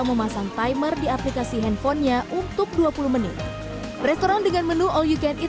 memasang timer di aplikasi handphonenya untuk dua puluh menit restoran dengan menu all you can eat